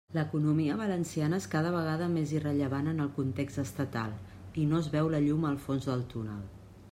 L'economia valenciana és cada vegada més irrellevant en el context estatal, i no es veu la llum al fons del túnel.